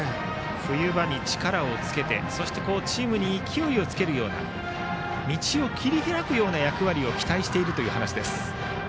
冬場に力をつけてチームに勢いをつけるような道を切り開くような役割を期待しているという話です。